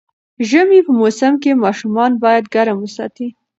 ژمی په موسم کې ماشومان باید ګرم وساتي